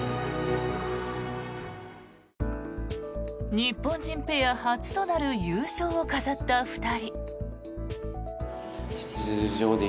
日本人ペア初となる優勝を飾った２人。